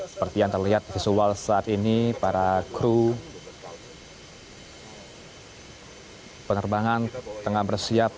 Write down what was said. seperti yang terlihat visual saat ini para kru penerbangan tengah bersiap